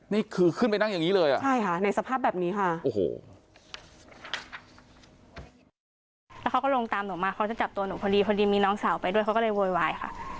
นี่คือขึ้นไปนั่งอย่างนี้เลย